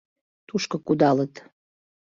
Тушко кудалыт.